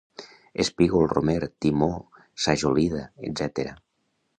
espígol, romer, timó, sajolida, etc.